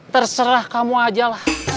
terserah kamu ajalah